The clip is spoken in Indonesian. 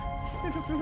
ayo duduk dulu